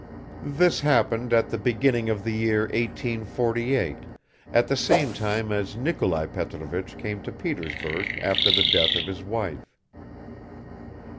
This happened at the beginning of the year 1848, at the same time as Nikolai Petrovich came to Petersburg after the death of his wife.